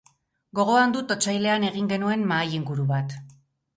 Gogoan dut otsailean egin genuen mahai inguru bat.